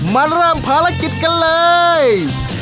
มาเริ่มภารกิจกันเลย